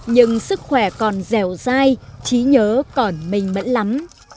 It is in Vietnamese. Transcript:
nhưng sức khỏe còn dẻo dai trí nhớ còn mình mẫn lắm